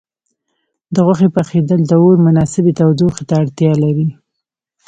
د غوښې پخېدل د اور مناسبې تودوخې ته اړتیا لري.